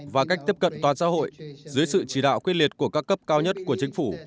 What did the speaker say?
và cách tiếp cận toàn xã hội dưới sự chỉ đạo khuyết liệt của các cấp cao nhất của chính phủ